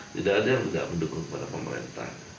tidak ada yang tidak mendukung kepada pemerintah